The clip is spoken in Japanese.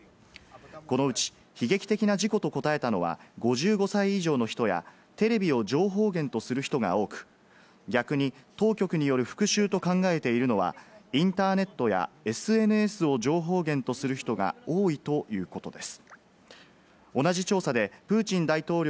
このうち悲劇的な事故と答えたのは５５歳以上の人やテレビを情報源とする人が多く、逆に当局による復讐と考えているのはインターネットやＳＮＳを情報源とする人が多いということです。